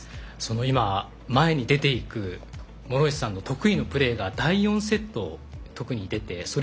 今、前に出ていく諸石さんの得意のプレーが第４セット、特に出てそれ